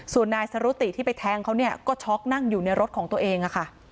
ส่วนนายสรุติที่ไปแทงเขาเนี่ยก็ช็อกนั่งอยู่ในรถของตัวเองค่ะ